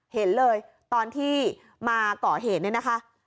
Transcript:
เห็นเลยตอนที่มาก่อเหตุเนี่ยนะคะ